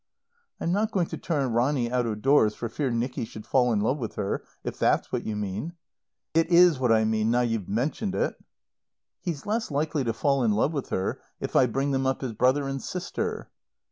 "I'm not going to turn Ronny out of doors for fear Nicky should fall in love with her, if that's what you mean." "It is what I mean, now you've mentioned it." "He's less likely to fall in love with her if I bring them up as brother and sister."